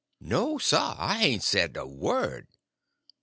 "No, sah, I hain't said a word."